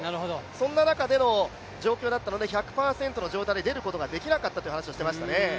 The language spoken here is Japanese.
そんな中での状況だったので、１００％の状態で出ることができなかったと離していましたね。